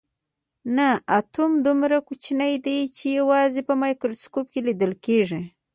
نه اتوم دومره کوچنی دی چې یوازې په مایکروسکوپ لیدل کیږي